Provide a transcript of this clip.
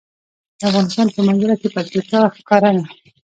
د افغانستان په منظره کې پکتیا ښکاره ده.